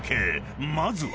［まずは］